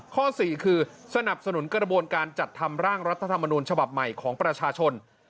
ข้อ๔คือสนับสนุนกระบวนการจัดทำร่างรัฐธรรมนูญฉบับใหม่ของประชาชน